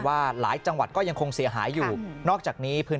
ว่าหลายจังหวัดก็ยังคงเสียหายอยู่นอกจากนี้พื้น